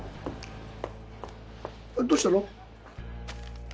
どうしたの？